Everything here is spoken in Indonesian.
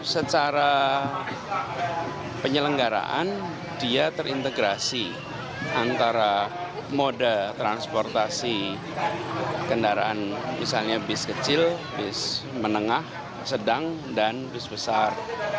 secara penyelenggaraan dia terintegrasi antara moda transportasi kendaraan misalnya bis kecil bis menengah sedang dan bus besar